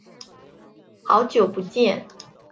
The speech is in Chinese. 好久不见。